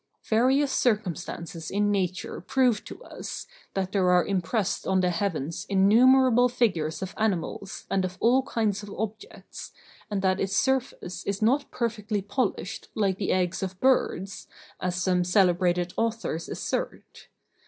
Various circumstances in nature prove to us, that there are impressed on the heavens innumerable figures of animals and of all kinds of objects, and that its surface is not perfectly polished like the eggs of birds, as some celebrated authors assert.